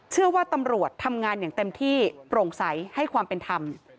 เชื่อว่าตำรวจทำงานอย่างเต็มที่โปร่งใสให้ความเป็นธรรม